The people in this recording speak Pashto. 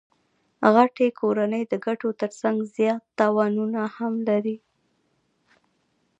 غټي کورنۍ د ګټو ترڅنګ زیات تاوانونه هم لري.